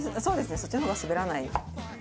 そっちの方が滑らない。